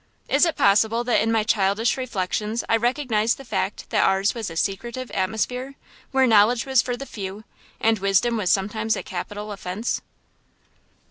Is it possible that in my childish reflections I recognized the fact that ours was a secretive atmosphere, where knowledge was for the few, and wisdom was sometimes a capital offence?